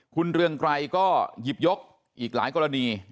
คุณเรืองไกรก็หยิบยกอีกหลายกรณี